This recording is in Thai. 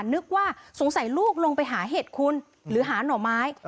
นึกว่าสงสัยลูกลงไปหาเห็ดคุณหรือหาหน่อไม้